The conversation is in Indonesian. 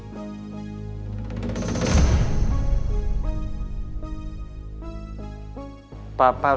terima kasih abang adam